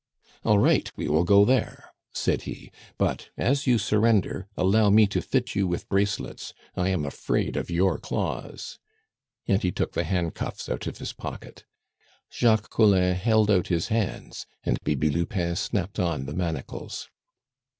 "All right, we will go there," said he. "But as you surrender, allow me to fit you with bracelets. I am afraid of your claws." And he took the handcuffs out of his pocket. Jacques Collin held out his hands, and Bibi Lupin snapped on the manacles.